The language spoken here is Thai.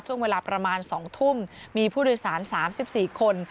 ช่วงเวลาประมาณ๒ทุ่มมีผู้โดยสาร๓๔คน